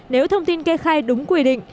nếu thông tin kê khai đúng quy định